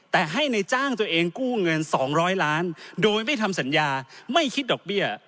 แต่ให้ในจ้างตัวเองกู้เงิน๒๐๐ล้านโดยไม่ทำสัญญาไม่คิดดอกเบี้ย